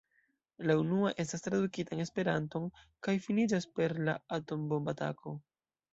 La unua estas tradukita en Esperanton kaj finiĝas per la atombomb-atako.